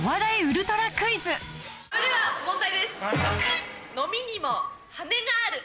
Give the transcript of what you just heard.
それでは問題です。